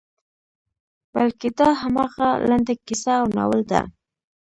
بلکې دا همغه لنډه کیسه او ناول ده.